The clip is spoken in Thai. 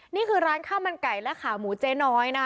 นี่คือร้านข้าวมันไก่และขาหมูเจ๊น้อยนะคะ